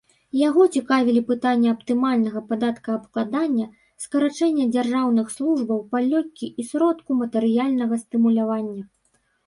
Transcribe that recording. Яго цікавілі пытанні аптымальнага падаткаабкладання, скарачэння дзяржаўных службаў, палёгкі і сродку матэрыяльнага стымулявання.